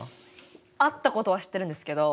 あったことは知ってるんですけど。